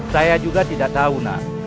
saya juga tidak tahu nak